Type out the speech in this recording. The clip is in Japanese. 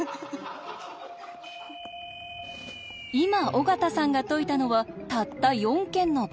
今尾形さんが解いたのはたった４軒の場合。